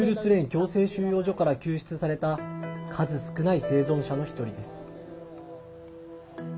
強制収容所から救出された数少ない生存者の１人です。